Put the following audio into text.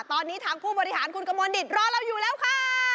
ต้อนี้ทางผู้บริหารขุ๊นกะมอดิสร้ออยู่แล้วค่ะ